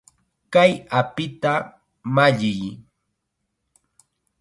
¡Kay apita malliy!